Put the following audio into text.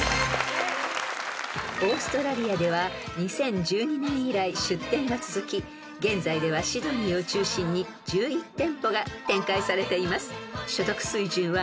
［オーストラリアでは２０１２年以来出店が続き現在ではシドニーを中心に１１店舗が展開されています］